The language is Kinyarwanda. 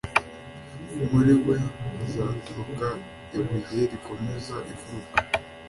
muri we hazaturuka ibuye rikomeza imfuruka